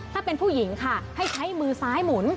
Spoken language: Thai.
ถ้าเป็นผู้หญิงค่ะให้ใช้มือซ้ายหมุน